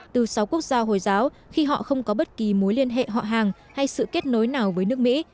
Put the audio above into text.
từ sáu quốc gia hồi giáo khi họ không có bất kỳ mối liên hệ họ hàng hay sự kết nối nào với nước mỹ